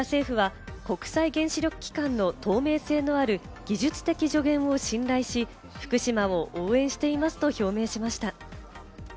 オーストラリア政府は国際原子力機関の透明性のある技術的助言を信頼し、福島を応援していますと表明しました。